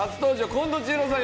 近藤千尋さん。